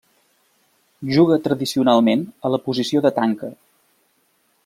Juga tradicionalment a la posició de tanca.